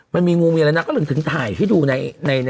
มันมีงูมีอะไรนางก็เลยถึงถ่ายให้ดู